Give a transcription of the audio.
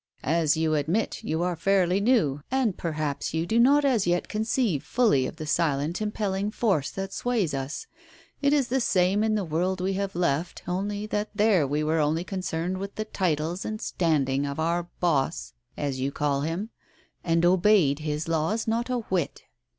As you admit, you are fairly new, and perhaps you do not as yet conceive fully of the silent impelling force that sways us. It is the same in the world we have left, only that there we were only concerned with the titles and standing of our ' boss,' as you call Him, and obeyed His laws not a whit.